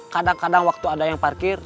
kadang kadang waktu ada yang parkir